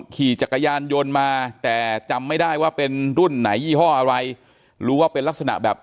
ขี่จักรยานยนต์มาแต่จำไม่ได้ว่าเป็นรุ่นไหนยี่ห้ออะไรรู้ว่าเป็นลักษณะแบบ